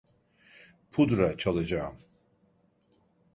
Pudra çalacağım.